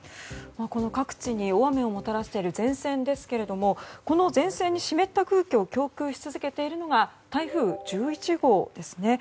各地に大雨をもたらしている前線ですがこの前線に湿った空気を供給し続けているのが台風１１号です。